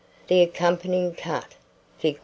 The accompanying cut, fig.